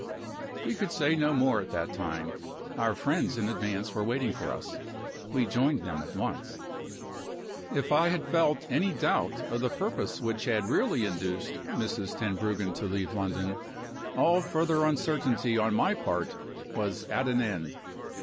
We could say no more at that time. Our friends in advance were waiting for us. We joined them at once. If I had felt any doubt of the purpose which had really induced Mrs. Tenbruggen to leave London, all further uncertainty on my part was at an end.